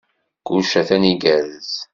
Kullec atan igerrez.